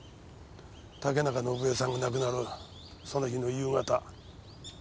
竹中伸枝さんが亡くなるその日の夕方伊香保で。